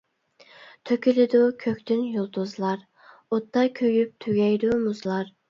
تۆكۈلىدۇ كۆكتىن يۇلتۇزلار، ئوتتا كۆيۈپ تۈگەيدۇ مۇزلار.